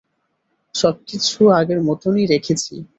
সবকিছু আগের মতোন-ই রেখেছি।